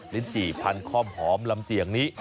ลิ้นจี่พันคอมหอมลำเจียงนี้